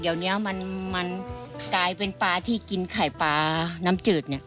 เดี๋ยวนี้มันกลายเป็นปลาที่กินไข่ปลาน้ำจืดเนี่ย